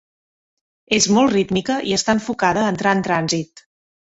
És molt rítmica i està enfocada a entrar en trànsit.